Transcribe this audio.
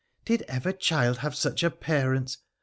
Did ever child have such a parent